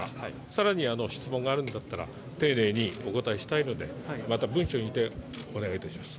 さらに質問があるんだったら、丁寧にお答えしたいので、また文書にてお願いいたします。